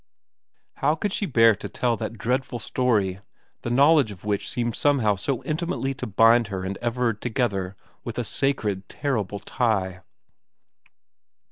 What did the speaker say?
How could she bear to tell that dreadful story, the knowledge of which seemed somehow so intimately to bind her and Everard together with a sacred, terrible tie